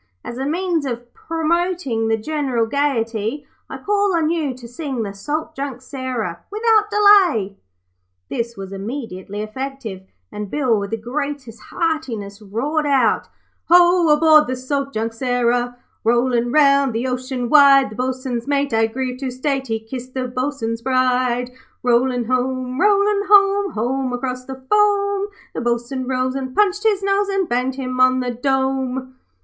As a means of promoting the general gaiety, I call on you to sing the Salt Junk Sarah without delay.' This was immediately effective, and Bill with the greatest heartiness roared out 'Ho, aboard the Salt Junk Sarah Rollin' round the ocean wide, The bo'sun's mate, I grieve to state, He kissed the bo'sun's bride. 'Rollin' home, rollin' home, Home across the foam; The bo'sun rose and punched his nose And banged him on the dome.'